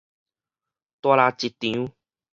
大抐一場